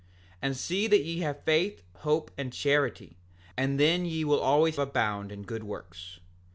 7:24 And see that ye have faith, hope, and charity, and then ye will always abound in good works.